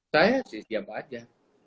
saya sih siapa aja